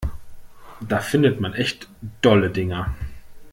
Da findet man echt dolle Dinger.